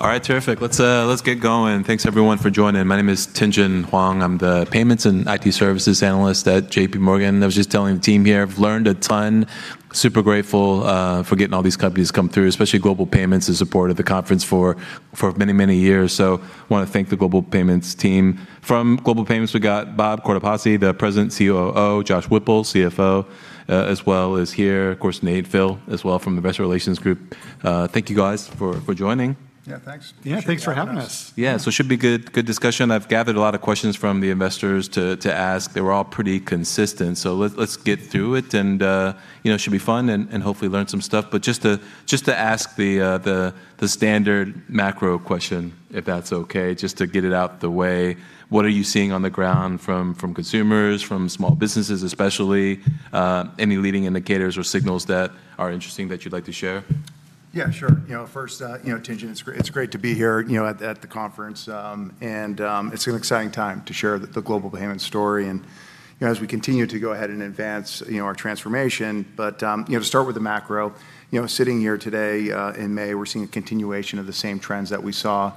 All right. Terrific. Let's get going. Thanks everyone for joining. My name is Tien-Tsin Huang. I'm the Payments and IT Services Analyst at JPMorgan. I was just telling the team here I've learned a ton. Super grateful for getting all these companies come through, especially Global Payments who supported the conference for many, many years. Want to thank the Global Payments team. From Global Payments, we've got Bob Cortopassi, the President and COO, Josh Whipple, CFO, as well as here, of course, [Nate Phil] as well from the investor relations group. Thank you guys for joining. Yeah, thanks. Yeah, thanks for having us. Yeah. Should be good discussion. I've gathered a lot of questions from the investors to ask. They were all pretty consistent. Let's get through it and should be fun and hopefully learn some stuff. Just to ask the standard macro question, if that's okay, just to get it out the way. What are you seeing on the ground from consumers, from small businesses especially? Any leading indicators or signals that are interesting that you'd like to share? Yeah, sure. First, Tien-Tsin, it's great to be here at the conference. It's an exciting time to share the Global Payments story and as we continue to go ahead and advance our transformation. To start with the macro, sitting here today, in May, we're seeing a continuation of the same trends that we saw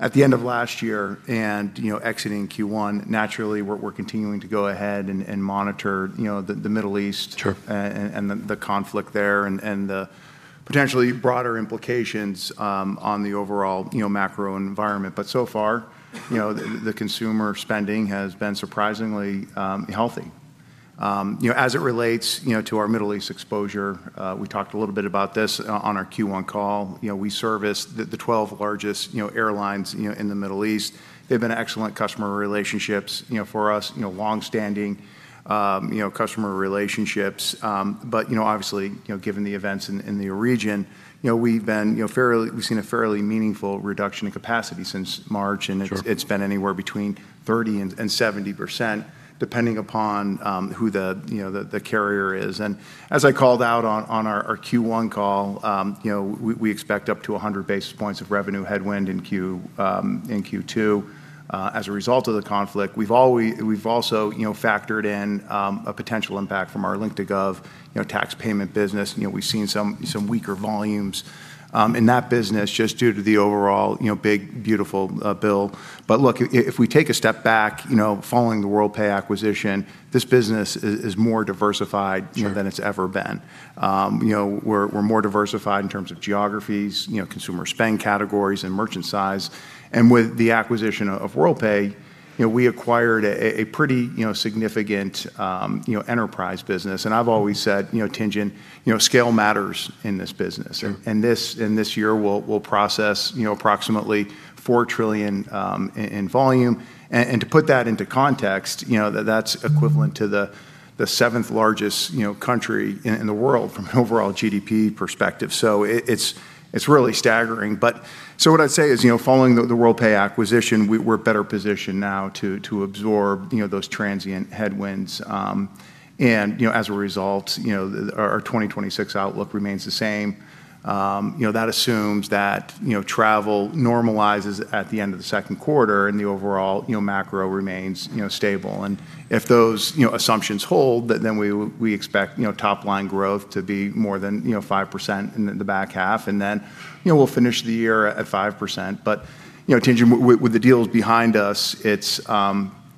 at the end of last year and exiting Q1. Naturally, we're continuing to go ahead and monitor the Middle East, and the conflict there potentially brought implications on the overall macro environment. Sure. So far, the consumer spending has been surprisingly healthy. As it relates to our Middle East exposure, we talked a little bit about this on our Q1 call. We service the 12 largest airlines in the Middle East. They've been excellent customer relationships for us, longstanding customer relationships. Obviously, given the events in the region, we've seen a fairly meaningful reduction in capacity since March. Sure. Been anywhere between 30% and 70%, depending upon who the carrier is. As I called out on our Q1 call, we expect up to 100 basis points of revenue headwind in Q2, as a result of the conflict. We've also factored in a potential impact from our Link2Gov tax payment business. We've seen some weaker volumes in that business just due to the overall big, beautiful bill. Look, if we take a step back, following the Worldpay acquisition, this business is more diversified than it's ever been. Sure. We're more diversified in terms of geographies, consumer spend categories, and merchant size. With the acquisition of Worldpay, we acquired a pretty significant enterprise business. I've always said, Tien-Tsin, scale matters in this business. Sure. This year, we'll process approximately $4 trillion in volume. To put that into context, that's equivalent to the seventh largest country in the world from an overall GDP perspective. It's really staggering. What I'd say is, following the Worldpay acquisition, we're better positioned now to absorb those transient headwinds. As a result, our 2026 outlook remains the same. That assumes that travel normalizes at the end of the second quarter and the overall macro remains stable. If those assumptions hold, then we expect top line growth to be more than 5% in the back half, and then we'll finish the year at 5%. Tien-Tsin, with the deals behind us,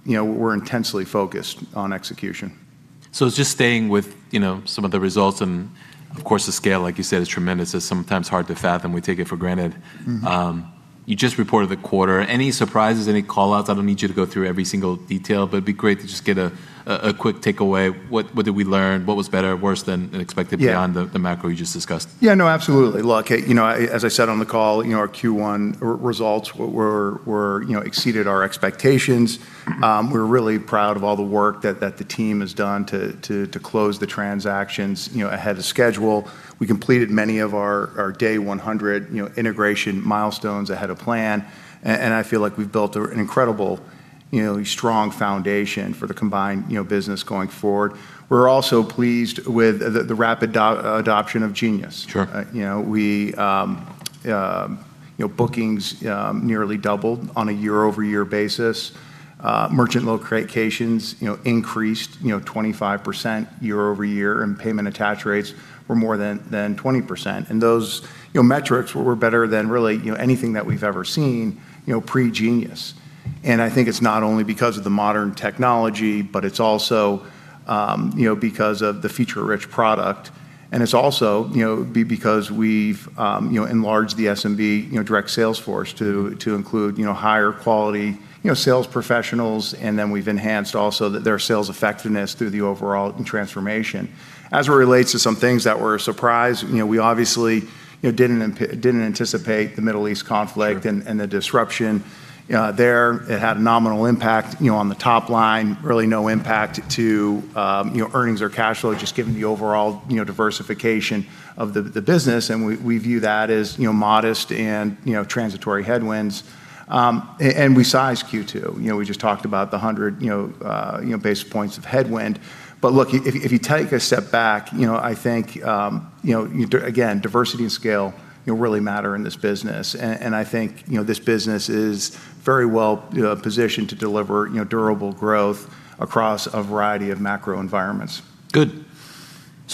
we're intensely focused on execution. Just staying with some of the results and, of course, the scale, like you said, is tremendous. It's sometimes hard to fathom. We take it for granted. You just reported the quarter. Any surprises, any call-outs? I don't need you to go through every single detail, but it'd be great to just get a quick takeaway. What did we learn? What was better or worse than expected beyond. Yeah. The macro you just discussed? Yeah. No, absolutely. Look, as I said on the call, our Q1 results exceeded our expectations. We're really proud of all the work that the team has done to close the transactions ahead of schedule. We completed many of our day 100 integration milestones ahead of plan. I feel like we've built an incredibly strong foundation for the combined business going forward. We're also pleased with the rapid adoption of Genius. Sure. Bookings nearly 2x on a year-over-year basis. Merchant locations increased 25% year-over-year, and payment attach rates were more than 20%. Those metrics were better than really anything that we've ever seen pre-Genius. I think it's not only because of the modern technology, but it's also because of the feature-rich product. It's also because we've enlarged the SMB direct sales force to include higher quality sales professionals, and then we've enhanced also their sales effectiveness through the overall transformation. As it relates to some things that were a surprise, we obviously didn't anticipate the Middle East conflict. Sure. The disruption there. It had a nominal impact on the top line, really no impact to earnings or cash flow, just given the overall diversification of the business. We view that as modest and transitory headwinds. We sized Q2. We just talked about the 100 basis points of headwind. Look, if you take a step back, I think, again, diversity and scale really matter in this business. I think this business is very well positioned to deliver durable growth across a variety of macro environments. Good.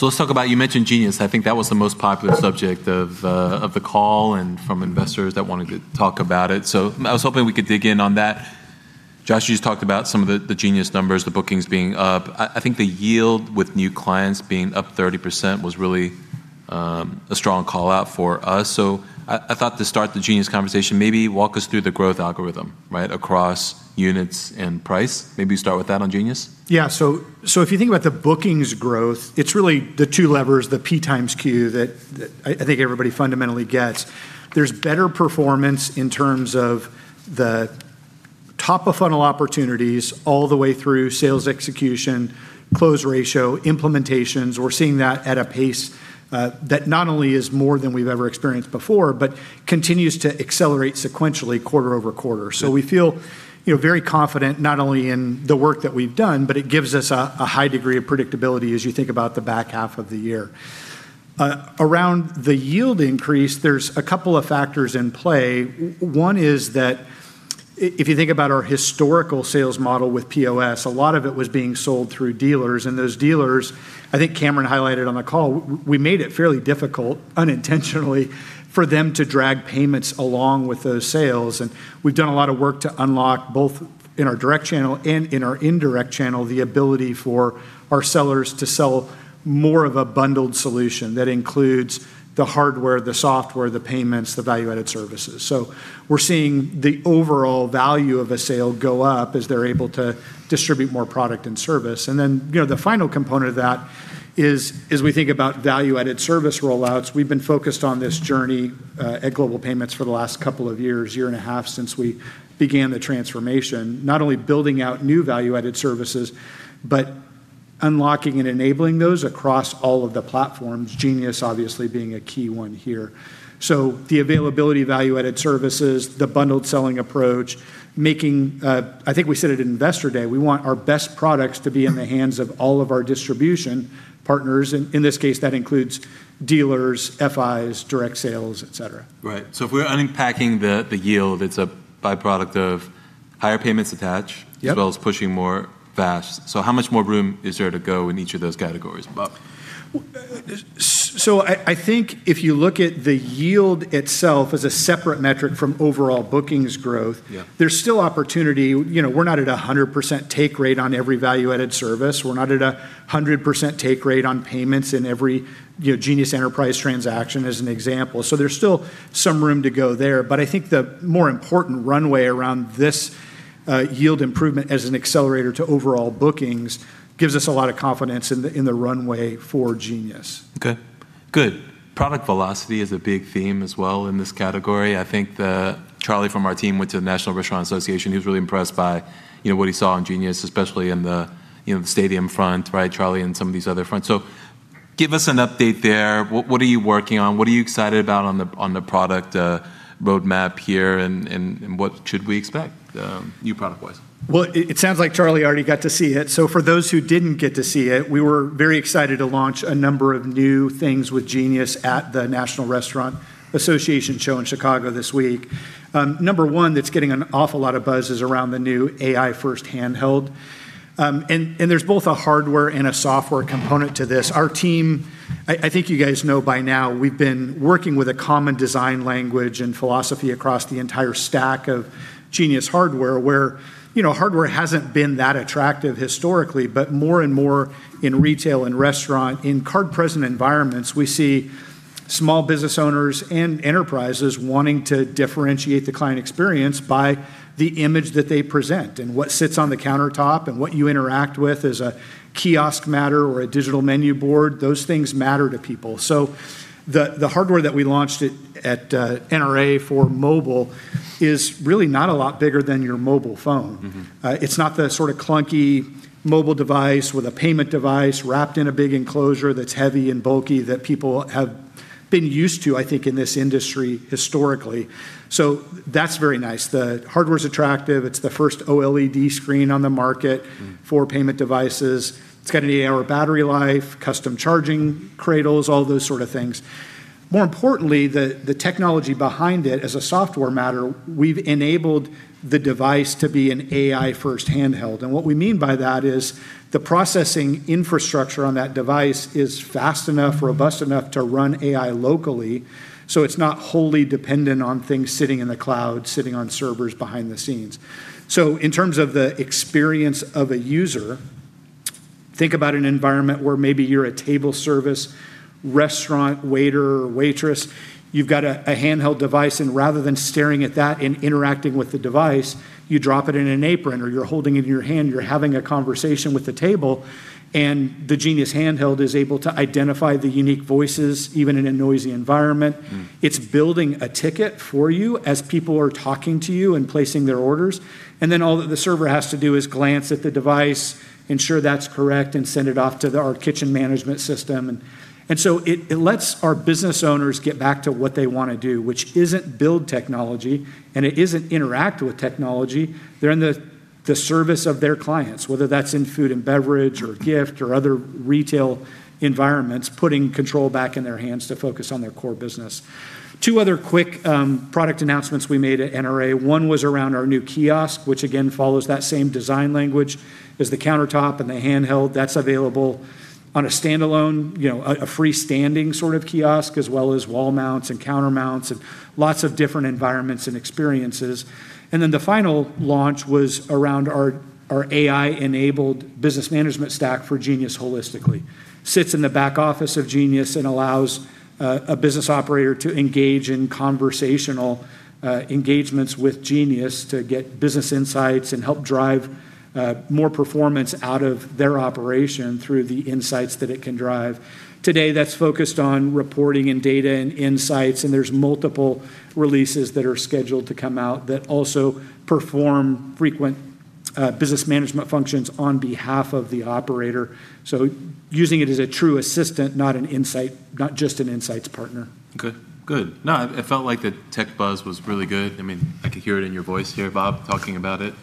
Let's talk about, you mentioned Genius. I think that was the most popular subject of the call and from investors that wanted to talk about it. I was hoping we could dig in on that. Josh, you just talked about some of the Genius numbers, the bookings being up. I think the yield with new clients being up 30% was really a strong call-out for us. I thought to start the Genius conversation, maybe walk us through the growth algorithm across units and price. Maybe start with that on Genius. Yeah. If you think about the bookings growth, it's really the two levers, the P x Q that I think everybody fundamentally gets. There's better performance in terms of the top-of-funnel opportunities all the way through sales execution, close ratio, implementations. We're seeing that at a pace that not only is more than we've ever experienced before, but continues to accelerate sequentially quarter-over-quarter. We feel very confident not only in the work that we've done, but it gives us a high degree of predictability as you think about the back half of the year. Around the yield increase, there's a couple of factors in play. One is that if you think about our historical sales model with POS, a lot of it was being sold through dealers. Those dealers, I think Cameron highlighted on the call, we made it fairly difficult, unintentionally, for them to drag payments along with those sales. We've done a lot of work to unlock, both in our direct channel and in our indirect channel, the ability for our sellers to sell more of a bundled solution that includes the hardware, the software, the payments, the value-added services. We're seeing the overall value of a sale go up as they're able to distribute more product and service. The final component of that is, as we think about value-added service roll-outs, we've been focused on this journey at Global Payments for the last two years, one and a half years since we began the transformation, not only building out new value-added services, but unlocking and enabling those across all of the platforms, Genius obviously being a key one here. The availability of value-added services, the bundled selling approach, making, I think we said at Investor Day, we want our best products to be in the hands of all of our distribution partners. In this case, that includes dealers, FIs, direct sales, et cetera. Right. If we're unpacking the yield, it's a byproduct of higher payments attach. Yep. As well as pushing more VAS. How much more room is there to go in each of those categories, about? I think if you look at the yield itself as a separate metric from overall bookings growth. Yeah. There's still opportunity. We're not at 100% take rate on every value-added service. We're not at 100% take rate on payments in every Genius Enterprise transaction, as an example. There's still some room to go there. I think the more important runway around this yield improvement as an accelerator to overall bookings gives us a lot of confidence in the runway for Genius. Okay. Good. Product velocity is a big theme as well in this category. I think that Charlie from our team went to the National Restaurant Association. He was really impressed by what he saw in Genius, especially in the stadium front, Charlie, and some of these other fronts. Give us an update there. What are you working on? What are you excited about on the product roadmap here, and what should we expect new product-wise? Well, it sounds like Charlie already got to see it. For those who didn't get to see it, we were very excited to launch a number of new things with Genius at the National Restaurant Association show in Chicago this week. Number one that's getting an awful lot of buzz is around the new AI first handheld. There's both a hardware and a software component to this. Our team, I think you guys know by now, we've been working with a common design language and philosophy across the entire stack of Genius hardware, where hardware hasn't been that attractive historically, but more and more in retail and restaurant, in card-present environments, we see small business owners and enterprises wanting to differentiate the client experience by the image that they present. what sits on the countertop, and what you interact with as a kiosk matter or a digital menu board. Those things matter to people. The hardware that we launched at NRA for mobile is really not a lot bigger than your mobile phone. It's not the sort of clunky mobile device with a payment device wrapped in a big enclosure that's heavy and bulky that people have been used to, I think, in this industry historically. That's very nice. The hardware's attractive. It's the first OLED screen on the market for payment devices. It's got an 8-hour battery life, custom charging cradles, all those sort of things. More importantly, the technology behind it as a software matter, we've enabled the device to be an AI-first handheld. What we mean by that is the processing infrastructure on that device is fast enough, robust enough to run AI locally, so it's not wholly dependent on things sitting in the cloud, sitting on servers behind the scenes. In terms of the experience of a user, think about an environment where maybe you're a table service restaurant waiter or waitress. You've got a handheld device, rather than staring at that and interacting with the device, you drop it in an apron, or you're holding it in your hand, you're having a conversation with the table, the Genius handheld is able to identify the unique voices, even in a noisy environment. It's building a ticket for you as people are talking to you and placing their orders. All that the server has to do is glance at the device, ensure that's correct, and send it off to our kitchen management system. It lets our business owners get back to what they want to do, which isn't build technology, and it isn't interact with technology. They're in the service of their clients, whether that's in food and beverage or gift or other retail environments, putting control back in their hands to focus on their core business. Two other quick product announcements we made at NRA. One was around our new kiosk, which again follows that same design language as the countertop and the handheld. That's available on a standalone, a freestanding sort of kiosk, as well as wall mounts and counter mounts, and lots of different environments and experiences. The final launch was around our AI-enabled business management stack for Genius holistically. Sits in the back office of Genius and allows a business operator to engage in conversational engagements with Genius to get business insights and help drive more performance out of their operation through the insights that it can drive. Today, that's focused on reporting and data and insights, there's multiple releases that are scheduled to come out that also perform frequent business management functions on behalf of the operator. Using it as a true assistant, not just an insights partner. Good. It felt like the tech buzz was really good. I could hear it in your voice here, Bob, talking about it.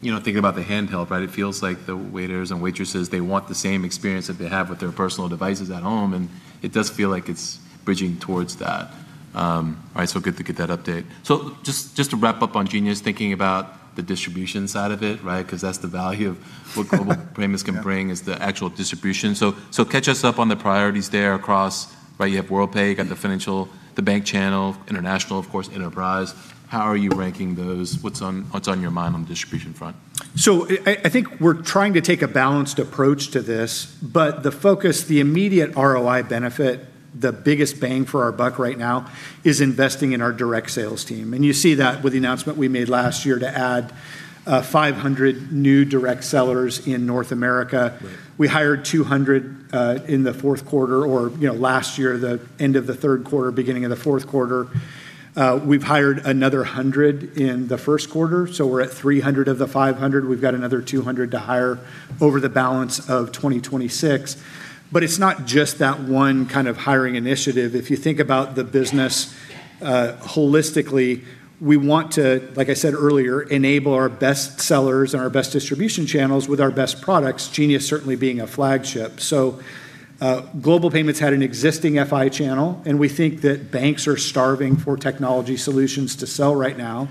Thinking about the handheld, it feels like the waiters and waitresses, they want the same experience that they have with their personal devices at home, and it does feel like it's bridging towards that. Good to get that update. Just to wrap up on Genius, thinking about the distribution side of it. Because that's the value of what Global Payments can bring, is the actual distribution. Catch us up on the priorities there across, you have Worldpay, you got the financial, the bank channel, international, of course, enterprise. How are you ranking those? What's on your mind on the distribution front? I think we're trying to take a balanced approach to this, but the focus, the immediate ROI benefit, the biggest bang for our buck right now, is investing in our direct sales team. You see that with the announcement we made last year to add 500 new direct sellers in North America. Right. We hired 200 in the fourth quarter or last year, the end of the third quarter, beginning of the fourth quarter. We've hired another 100 in the first quarter, so we're at 300 of the 500. We've got another 200 to hire over the balance of 2026. It's not just that one hiring initiative. If you think about the business holistically, we want to, like I said earlier, enable our best sellers and our best distribution channels with our best products, Genius certainly being a flagship. Global Payments had an existing FI channel, and we think that banks are starving for technology solutions to sell right now.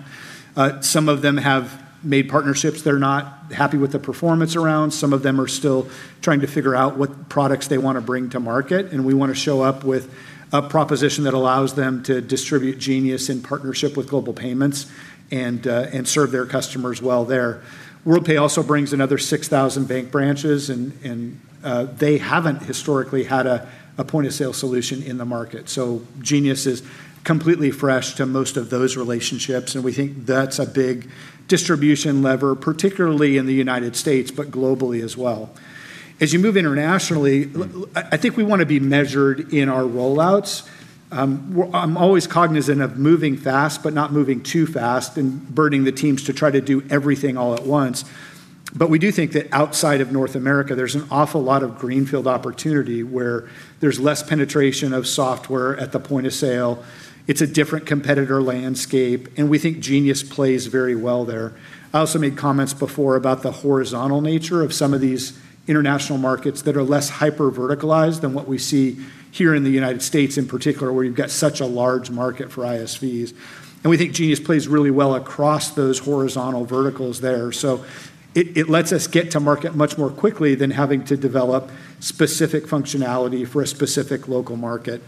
Some of them have made partnerships they're not happy with the performance around. Some of them are still trying to figure out what products they want to bring to market, and we want to show up with a proposition that allows them to distribute Genius in partnership with Global Payments and serve their customers well there. Worldpay also brings another 6,000 bank branches, and they haven't historically had a point-of-sale solution in the market. Genius is completely fresh to most of those relationships, and we think that's a big distribution lever, particularly in the United States, but globally as well. As you move internationally, I think we want to be measured in our roll-outs. I'm always cognizant of moving fast, but not moving too fast and burdening the teams to try to do everything all at once. We do think that outside of North America, there's an awful lot of greenfield opportunity where there's less penetration of software at the point of sale. It's a different competitor landscape, and we think Genius plays very well there. I also made comments before about the horizontal nature of some of these international markets that are less hyperverticalized than what we see here in the United States in particular, where you've got such a large market for ISVs. We think Genius plays really well across those horizontal verticals there. It lets us get to market much more quickly than having to develop specific functionality for a specific local market.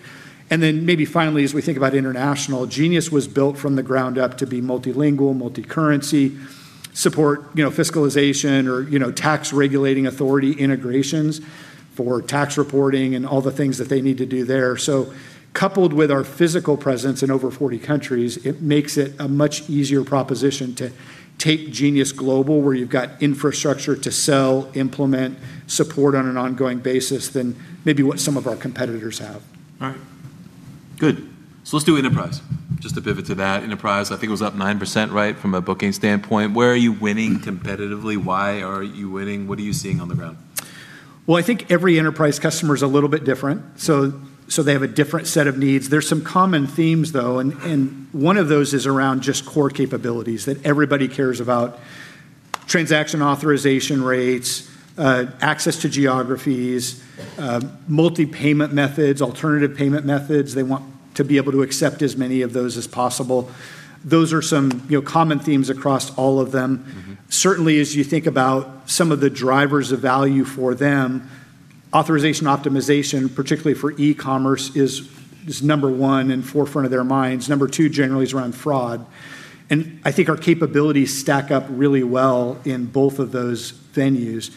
Maybe finally, as we think about international, Genius was built from the ground up to be multilingual, multicurrency, support fiscalization or tax regulating authority integrations for tax reporting and all the things that they need to do there. Coupled with our physical presence in over 40 countries, it makes it a much easier proposition to take Genius global, where you've got infrastructure to sell, implement, support on an ongoing basis than maybe what some of our competitors have. All right. Good. Let's do enterprise. Just to pivot to that. Enterprise, I think it was up 9% from a booking standpoint. Where are you winning competitively? Why are you winning? What are you seeing on the ground? Well, I think every enterprise customer is a little bit different, so they have a different set of needs. There are some common themes, though, and one of those is around just core capabilities that everybody cares about: transaction authorization rates, access to geographies, multi-payment methods, alternative payment methods. They want to be able to accept as many of those as possible. Those are some common themes across all of them. Certainly, as you think about some of the drivers of value for them, authorization optimization, particularly for e-commerce, is number one in forefront of their minds. Number two generally is around fraud. I think our capabilities stack up really well in both of those venues.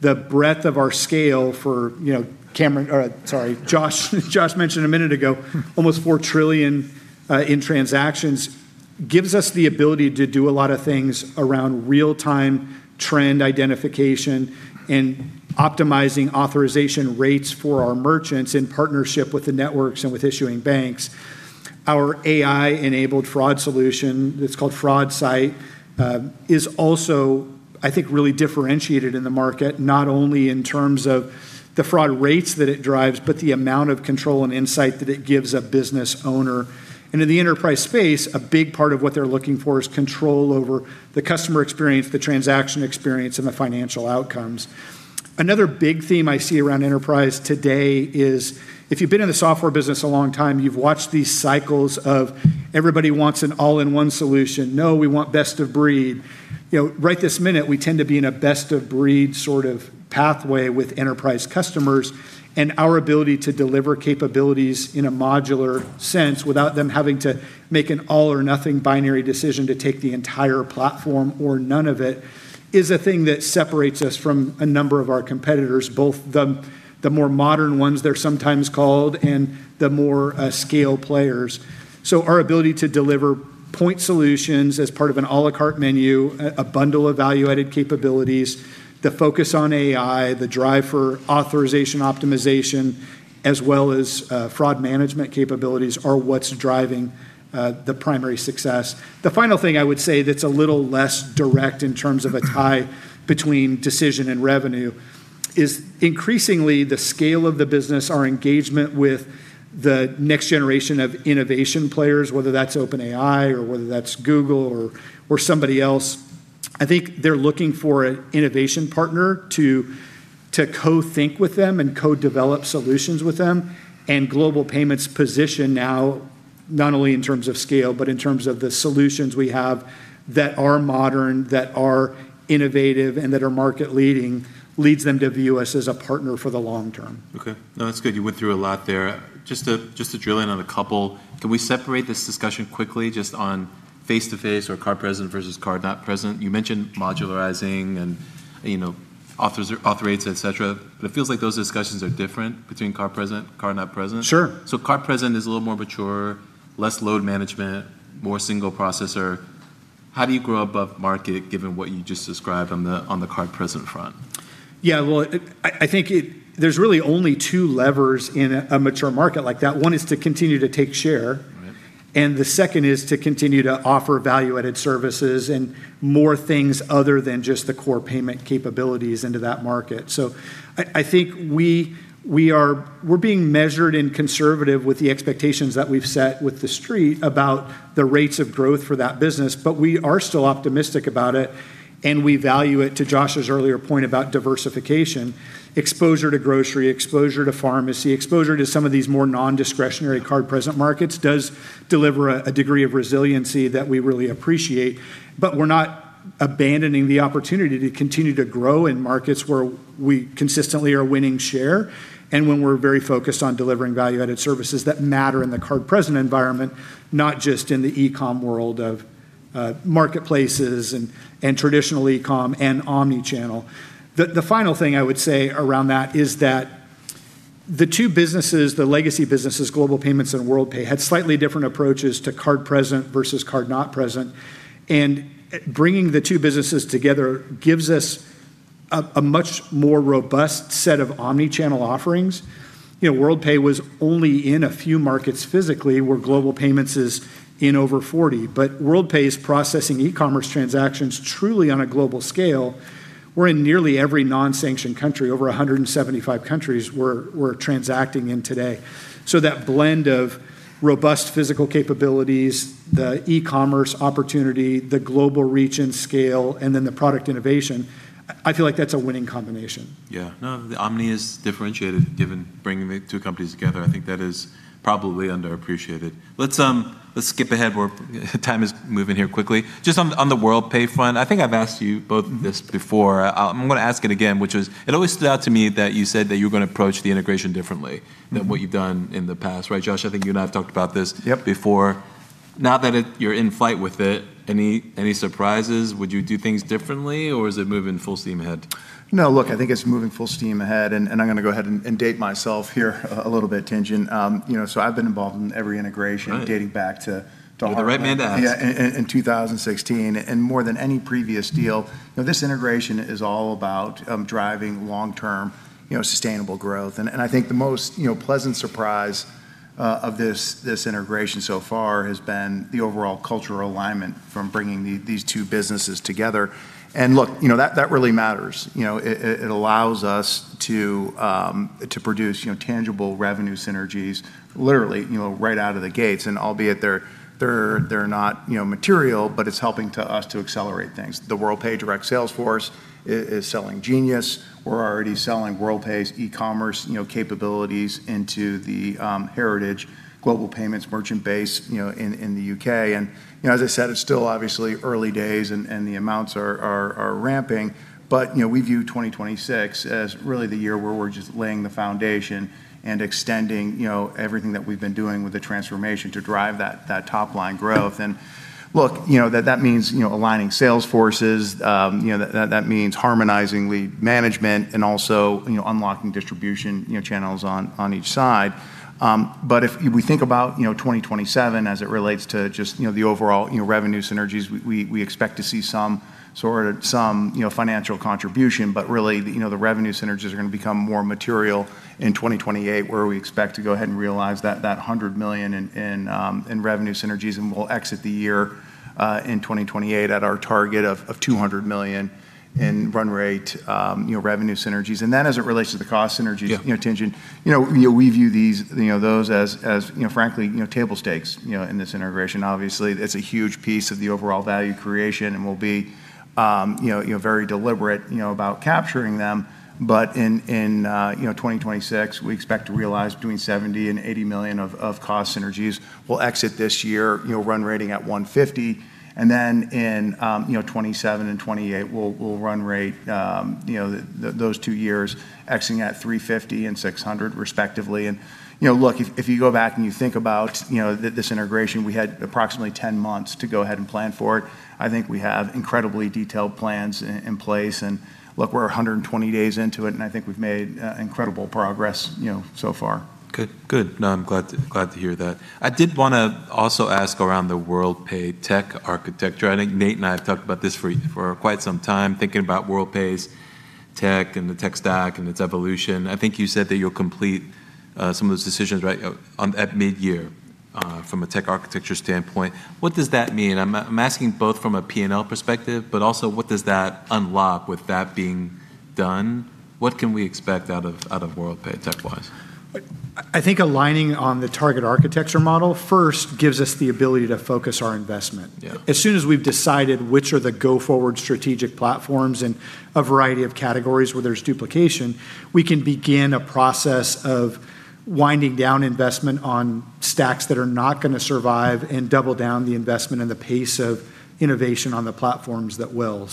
The breadth of our scale for Cameron, or sorry, Josh mentioned a minute ago, almost 4 trillion in transactions gives us the ability to do a lot of things around real-time trend identification and optimizing authorization rates for our merchants in partnership with the networks and with issuing banks. Our AI-enabled fraud solution, that's called FraudSight, is also, I think, really differentiated in the market, not only in terms of the fraud rates that it drives, but the amount of control and insight that it gives a business owner. In the enterprise space, a big part of what they're looking for is control over the customer experience, the transaction experience, and the financial outcomes. Another big theme I see around enterprise today is if you've been in the software business a long time, you've watched these cycles of everybody wants an all-in-one solution. No, we want best of breed. Right this minute, we tend to be in a best of breed sort of pathway with enterprise customers, and our ability to deliver capabilities in a modular sense without them having to make an all or nothing binary decision to take the entire platform or none of it is a thing that separates us from a number of our competitors, both the more modern ones they're sometimes called, and the more scale players. Our ability to deliver point solutions as part of an à la carte menu, a bundle of value-added capabilities, the focus on AI, the drive for authorization optimization, as well as fraud management capabilities are what's driving the primary success. The final thing I would say that's a little less direct in terms of a tie between decision and revenue is increasingly the scale of the business, our engagement with the next generation of innovation players, whether that's OpenAI or whether that's Google or somebody else. I think they're looking for an innovation partner to co-think with them and co-develop solutions with them. Global Payments' position now, not only in terms of scale, but in terms of the solutions we have that are modern, that are innovative, and that are market-leading, leads them to view us as a partner for the long term. Okay. No, that's good. You went through a lot there. Just to drill in on a couple, can we separate this discussion quickly just on face-to-face or card present versus card not present? You mentioned modularizing and auth rates, et cetera, but it feels like those discussions are different between card present, card not present. Sure. Card present is a little more mature, less load management, more single processor. How do you grow above market given what you just described on the card present front? Yeah. Well, I think there's really only two levers in a mature market like that. One is to continue to take share. Right. The second is to continue to offer value-added services and more things other than just the core payment capabilities into that market. I think we're being measured and conservative with the expectations that we've set with the Street about the rates of growth for that business. We are still optimistic about it, and we value it, to Josh's earlier point about diversification, exposure to grocery, exposure to pharmacy, exposure to some of these more non-discretionary card present markets does deliver a degree of resiliency that we really appreciate. We're not abandoning the opportunity to continue to grow in markets where we consistently are winning share, and when we're very focused on delivering value-added services that matter in the card present environment, not just in the e-com world of marketplaces and traditional e-com and omnichannel. The final thing I would say around that is that the two businesses, the legacy businesses, Global Payments and Worldpay, had slightly different approaches to card present versus card not present. Bringing the two businesses together gives us a much more robust set of omnichannel offerings. Worldpay was only in a few markets physically, where Global Payments is in over 40. Worldpay is processing e-commerce transactions truly on a global scale. We're in nearly every non-sanctioned country. Over 175 countries we're transacting in today. That blend of robust physical capabilities, the e-commerce opportunity, the global reach and scale, and then the product innovation, I feel like that's a winning combination. Yeah. No, the omni is differentiated given bringing the two companies together. I think that is probably underappreciated. Let's skip ahead. Time is moving here quickly. Just on the Worldpay front, I think I've asked you both this before. I'm going to ask it again, which is, it always stood out to me that you said that you were going to approach the integration differently than what you've done in the past. Right, Josh? I think you and I have talked about this. Yep. Before. Now that you're in flight with it, any surprises? Would you do things differently, or is it moving full steam ahead? No, look, I think it's moving full steam ahead, and I'm going to go ahead and date myself here a little bit, Tien-Tsin Huang. I've been involved in every integration. Right. Dating back to Heartland. You're the right man to ask. Yeah, in 2016. More than any previous deal, this integration is all about driving long-term, sustainable growth. I think the most pleasant surprise of this integration so far has been the overall cultural alignment from bringing these two businesses together. Look, that really matters. It allows us to produce tangible revenue synergies, literally right out of the gates. Albeit they're not material, but it's helping to us to accelerate things. The Worldpay direct sales force is selling Genius. We're already selling Worldpay's e-commerce capabilities into the heritage Global Payments merchant base in the U.K. As I said, it's still obviously early days, and the amounts are ramping. We view 2026 as really the year where we're just laying the foundation and extending everything that we've been doing with the transformation to drive that top-line growth. Look, that means aligning sales forces, that means harmonizing the management, and also unlocking distribution channels on each side. If we think about 2027 as it relates to just the overall revenue synergies, we expect to see some financial contribution. Really, the revenue synergies are going to become more material in 2028, where we expect to go ahead and realize that $100 million in revenue synergies, and we'll exit the year in 2028 at our target of $200 million in run rate revenue synergies. That, as it relates to the cost synergies. Yeah. Tien-Tsin, we view those as, frankly, table stakes in this integration. It's a huge piece of the overall value creation, we'll be very deliberate about capturing them. In 2026, we expect to realize between $70 million-$80 million of cost synergies. We'll exit this year run rating at $150 million. In 2027 and 2028, we'll run rate those two years exiting at $350 million and $600 million respectively. If you go back and you think about this integration, we had approximately 10 months to go ahead and plan for it. I think we have incredibly detailed plans in place. We're 120 days into it, I think we've made incredible progress so far. Good. No, I'm glad to hear that. I did want to also ask around the Worldpay tech architecture. I think Nate and I have talked about this for quite some time, thinking about Worldpay's tech and the tech stack and its evolution. I think you said that you'll complete some of those decisions right at mid-year. From a tech architecture standpoint, what does that mean? I'm asking both from a P&L perspective, but also what does that unlock with that being done? What can we expect out of Worldpay tech-wise? I think aligning on the target architecture model first gives us the ability to focus our investment. Yeah. As soon as we've decided which are the go-forward strategic platforms in a variety of categories where there's duplication, we can begin a process of winding down investment on stacks that are not going to survive, and double down the investment and the pace of innovation on the platforms that will.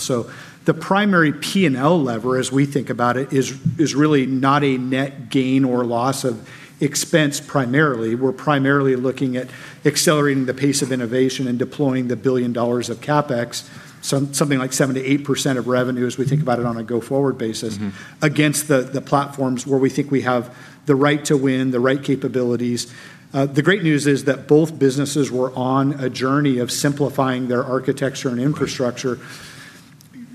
The primary P&L lever, as we think about it, is really not a net gain or loss of expense, primarily. We're primarily looking at accelerating the pace of innovation and deploying the $1 billion of CapEx, something like 7%-8% of revenue as we think about it on a go-forward basis. against the platforms where we think we have the right to win, the right capabilities. The great news is that both businesses were on a journey of simplifying their architecture and infrastructure.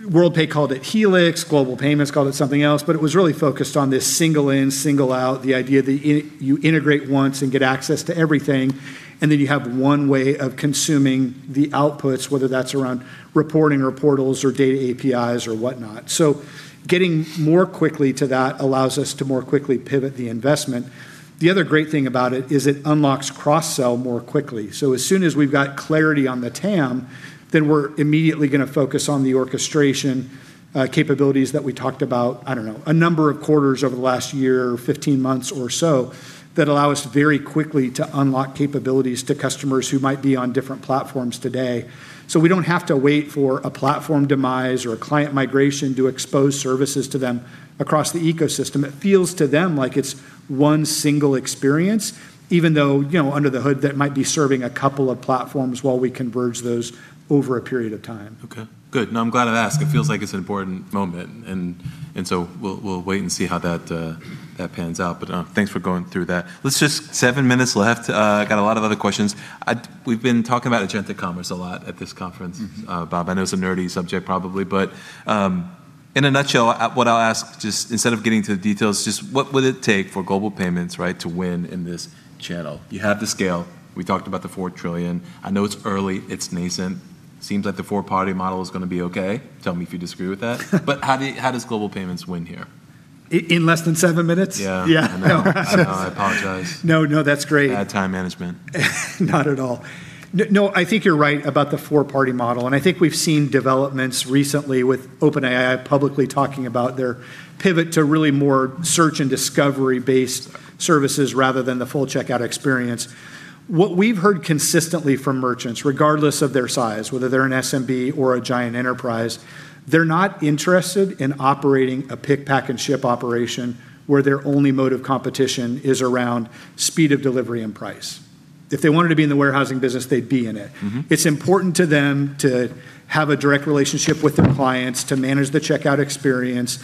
Worldpay called it Helix. Global Payments called it something else. It was really focused on this single in, single out, the idea that you integrate once and get access to everything, and then you have one way of consuming the outputs, whether that's around reporting or portals or data APIs or whatnot. Getting more quickly to that allows us to more quickly pivot the investment. The other great thing about it is it unlocks cross-sell more quickly. As soon as we've got clarity on the TAM, we're immediately going to focus on the orchestration capabilities that we talked about, I don't know, a number of quarters over the last year or 15 months or so that allow us very quickly to unlock capabilities to customers who might be on different platforms today. We don't have to wait for a platform demise or a client migration to expose services to them across the ecosystem. It feels to them like it's one single experience, even though under the hood that might be serving a couple of platforms while we converge those over a period of time. Okay, good. No, I'm glad I'd asked. It feels like it's an important moment, we'll wait and see how that pans out. Thanks for going through that. seven minutes left. Got a lot of other questions. We've been talking about agentic commerce a lot at this conference, Bob. I know it's a nerdy subject probably, in a nutshell, what I'll ask, just instead of getting into the details, just what would it take for Global Payments, right, to win in this channel? You have the scale. We talked about the $4 trillion. I know it's early. It's nascent. Seems like the four-party model is going to be okay. Tell me if you disagree with that. How does Global Payments win here? In less than seven minutes? Yeah. Yeah. I know. I know, I apologize. No, that's great. Bad time management. Not at all. No, I think you're right about the four-party model, and I think we've seen developments recently with OpenAI publicly talking about their pivot to really more search and discovery-based services rather than the full checkout experience. What we've heard consistently from merchants, regardless of their size, whether they're an SMB or a giant enterprise, they're not interested in operating a pick, pack, and ship operation where their only mode of competition is around speed of delivery and price. If they wanted to be in the warehousing business, they'd be in it. It's important to them to have a direct relationship with their clients, to manage the checkout experience,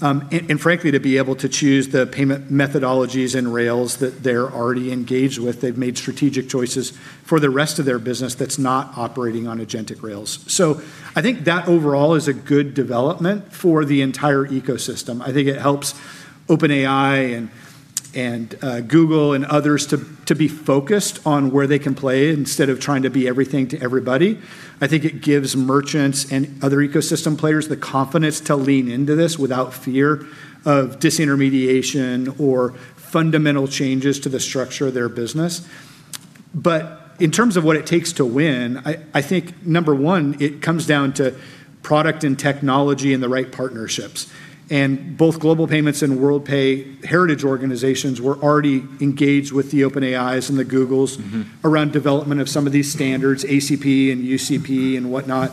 and frankly, to be able to choose the payment methodologies and rails that they're already engaged with. They've made strategic choices for the rest of their business that's not operating on agentic rails. I think that overall is a good development for the entire ecosystem. I think it helps OpenAI and Google and others to be focused on where they can play instead of trying to be everything to everybody. I think it gives merchants and other ecosystem players the confidence to lean into this without fear of disintermediation or fundamental changes to the structure of their business. In terms of what it takes to win, I think number one, it comes down to product and technology and the right partnerships. Both Global Payments and Worldpay heritage organizations were already engaged with the OpenAIs and the Googles. Around development of some of these standards, ACP and UCP and whatnot.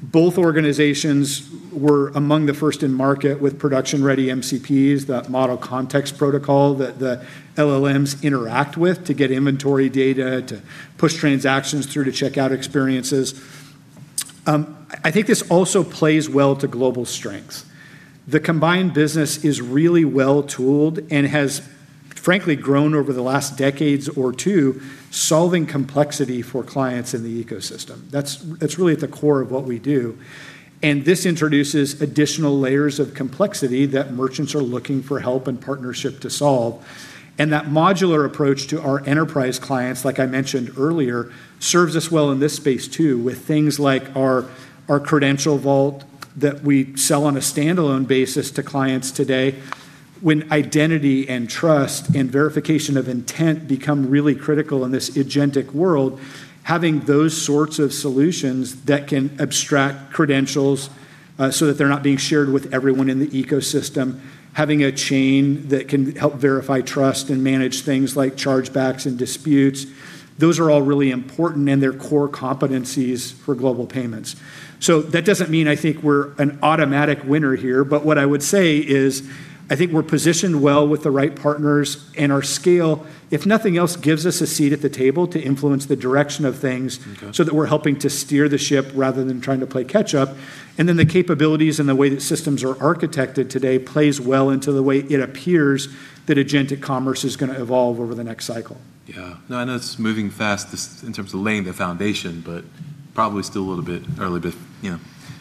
Both organizations were among the first in market with production-ready MCPs, that Model Context Protocol that the LLMs interact with to get inventory data, to push transactions through to checkout experiences. I think this also plays well to Global’s strengths. The combined business is really well-tooled and has frankly grown over the last decades or two, solving complexity for clients in the ecosystem. That’s really at the core of what we do, this introduces additional layers of complexity that merchants are looking for help and partnership to solve. That modular approach to our enterprise clients, like I mentioned earlier, serves us well in this space too, with things like our credential vault that we sell on a standalone basis to clients today. When identity and trust and verification of intent become really critical in this agentic world, having those sorts of solutions that can abstract credentials so that they're not being shared with everyone in the ecosystem, having a chain that can help verify trust and manage things like chargebacks and disputes, those are all really important and they're core competencies for Global Payments. That doesn't mean I think we're an automatic winner here, but what I would say is I think we're positioned well with the right partners, and our scale, if nothing else, gives us a seat at the table to influence the direction of things. Okay. That we're helping to steer the ship rather than trying to play catch-up. The capabilities and the way that systems are architected today plays well into the way it appears that agentic commerce is going to evolve over the next cycle. Yeah. No, I know it's moving fast in terms of laying the foundation, but probably still a little bit early.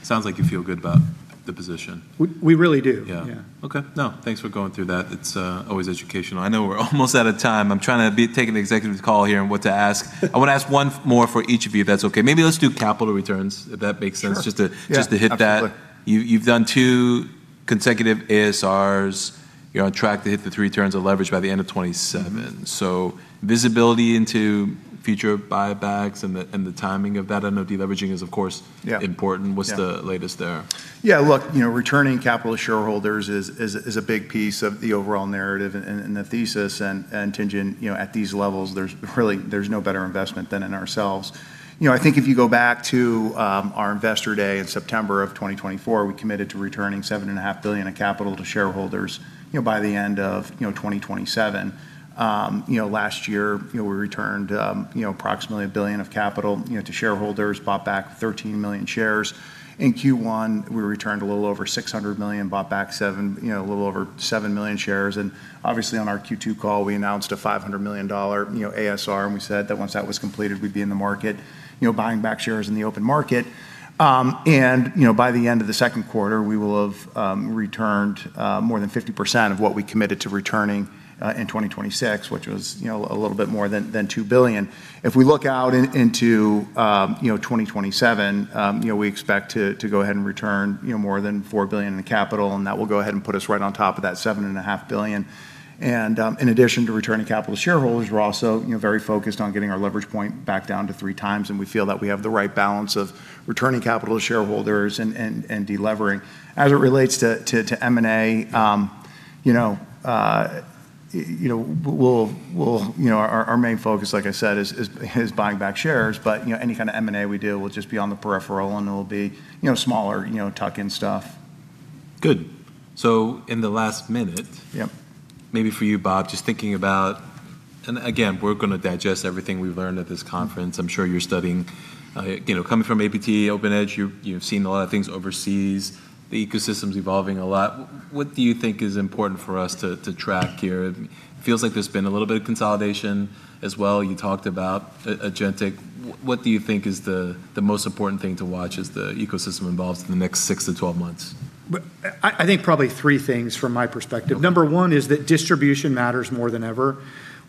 Sounds like you feel good about the position. We really do. Yeah. Yeah. Okay. No, thanks for going through that. It's always educational. I know we're almost out of time. I'm trying to take an executive call here on what to ask. I want to ask one more for each of you, if that's okay. Maybe let's do capital returns, if that makes sense. Sure. Just to hit that. Yeah, absolutely. You've done two consecutive ASRs. You're on track to hit the three turns of leverage by the end of 2027. Visibility into future buybacks and the timing of that, I know de-leveraging is, of course. Yeah. Important. Yeah. What's the latest there? Yeah, look, returning capital to shareholders is a big piece of the overall narrative and the thesis. Tien-Tsin, at these levels, there's no better investment than in ourselves. I think if you go back to our investor day in September of 2024, we committed to returning $7.5 billion of capital to shareholders, by the end of 2027. Last year, we returned approximately $1 billion of capital to shareholders, bought back 13 million shares. In Q1, we returned a little over $600 million, bought back a little over 7 million shares. Obviously, on our Q2 call, we announced a $500 million ASR, and we said that once that was completed, we'd be in the market buying back shares in the open market. By the end of the second quarter, we will have returned more than 50% of what we committed to returning in 2026, which was a little bit more than $2 billion. If we look out into 2027, we expect to go ahead and return more than $4 billion in capital, and that will go ahead and put us right on top of that $7.5 billion. In addition to returning capital to shareholders, we're also very focused on getting our leverage point back down to three times, and we feel that we have the right balance of returning capital to shareholders and de-levering. As it relates to M&A, our main focus, like I said, is buying back shares. Any kind of M&A we do will just be on the peripheral and it'll be smaller tuck-in stuff. Good. In the last minute. Yeah. Maybe for you, Bob, just thinking about, we're going to digest everything we've learned at this conference. I'm sure you're studying. Coming from APT, OpenEdge, you've seen a lot of things overseas. The ecosystem's evolving a lot. What do you think is important for us to track here? It feels like there's been a little bit of consolidation as well. You talked about agentic. What do you think is the most important thing to watch as the ecosystem evolves in the next 6-12 months? I think probably three things from my perspective. Okay. Number one is that distribution matters more than ever.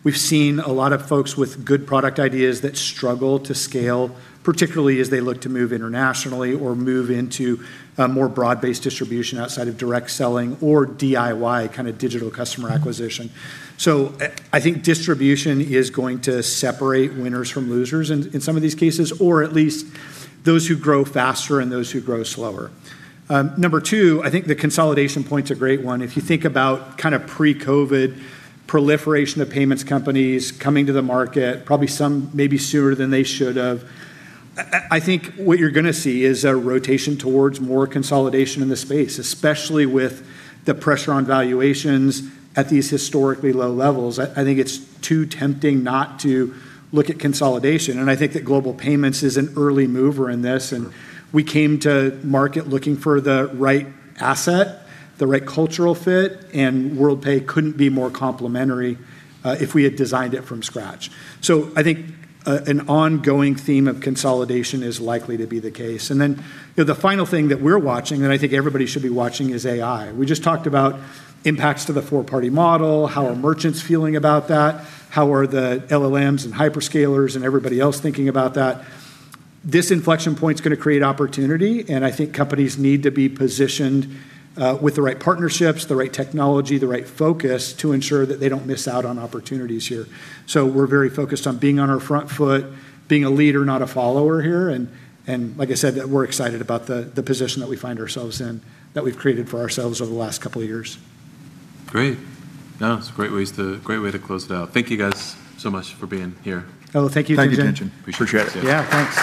We've seen a lot of folks with good product ideas that struggle to scale, particularly as they look to move internationally or move into a more broad-based distribution outside of direct selling or DIY kind of digital customer acquisition. I think distribution is going to separate winners from losers in some of these cases, or at least those who grow faster and those who grow slower. Number two, I think the consolidation point's a great one. If you think about pre-COVID proliferation of payments companies coming to the market, probably some maybe sooner than they should have. I think what you're going to see is a rotation towards more consolidation in the space, especially with the pressure on valuations at these historically low levels. I think it's too tempting not to look at consolidation, and I think that Global Payments is an early mover in this. Sure. We came to market looking for the right asset, the right cultural fit, and Worldpay couldn't be more complementary if we had designed it from scratch. I think an ongoing theme of consolidation is likely to be the case. The final thing that we're watching, and I think everybody should be watching, is AI. We just talked about impacts to the four-party model, how are merchants feeling about that, how are the LLMs and hyperscalers and everybody else thinking about that. This inflection point's going to create opportunity, and I think companies need to be positioned with the right partnerships, the right technology, the right focus to ensure that they don't miss out on opportunities here. We're very focused on being on our front foot, being a leader, not a follower here, and like I said, we're excited about the position that we find ourselves in, that we've created for ourselves over the last couple of years. Great. No, it's a great way to close it out. Thank you guys so much for being here. Oh, thank you, Tien-Tsin. Thank you, Tien-Tsin. Appreciate it. Yeah, thanks.